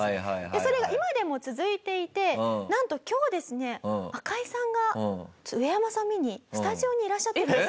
それが今でも続いていてなんと今日ですね赤井さんがウエヤマさんを見にスタジオにいらっしゃってるんですよ。